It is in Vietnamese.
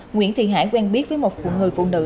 nguyễn thị hải quen biết với một người phụ nữ